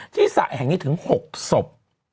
ที่สระแห่งนี้ถึง๖สม